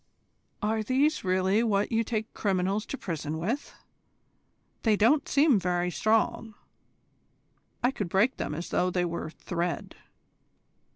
"Are these really what you take criminals to prison with? They don't seem very strong. I could break them as though they were thread."